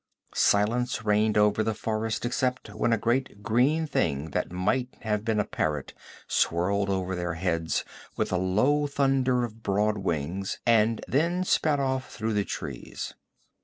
Silence reigned over the forest except when a great green thing that might have been a parrot swirled over their heads with a low thunder of broad wings, and then sped off through the trees.